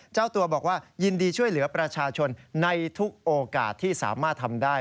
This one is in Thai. เจ้าตัวบอกว่ายินดีช่วยเหลือประชาชนในทุกโอกาสที่สามารถทำได้